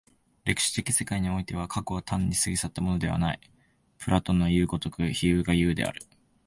歴史的世界においては、過去は単に過ぎ去ったものではない、プラトンのいう如く非有が有である。